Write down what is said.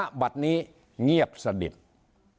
และบัตรนี้เงียบสดิษฐ์ไม่มีความเคลื่อนไหวไม่รู้ว่าเกิดอะไรขึ้น